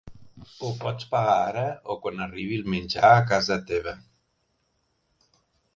Ho pots pagar ara o quan arribi el menjar a casa teva.